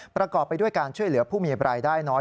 ประกอบไปด้วยการช่วยเหลือผู้มีรายได้น้อย